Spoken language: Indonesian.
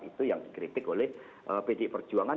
itu yang dikritik oleh pdi perjuangan